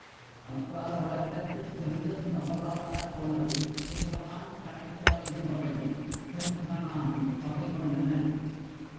அக்கால வழக்கத்திற் சிறிதும் தவறாதார் போலவே சேரமான் கணைக்கால் இரும்பொறையும், செங்கணானும் பகை கொண்டனர்.